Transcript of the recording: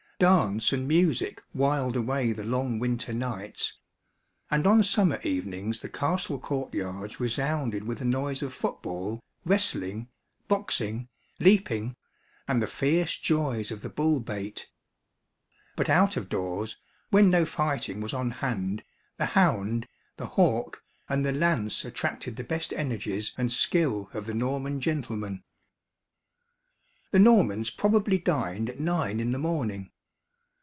Dance and music whiled away the long winter nights; and on summer evenings the castle courtyards resounded with the noise of football, wrestling, boxing, leaping, and the fierce joys of the bull bait. But out of doors, when no fighting was on hand, the hound, the hawk, and the lance attracted the best energies and skill of the Norman gentleman. The Normans probably dined at nine in the morning.